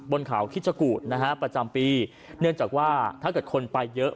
บนเขาคิดชะกูดนะฮะประจำปีเนื่องจากว่าถ้าเกิดคนไปเยอะ